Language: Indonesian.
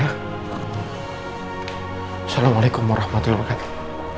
assalamualaikum warahmatullahi wabarakatuh